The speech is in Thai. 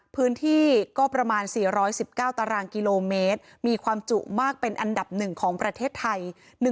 พื้นที่ก็ประมาณ๔๑๙ตารางกิโลเมตรมีความจุมากเป็นอันดับ๑ของประเทศไทย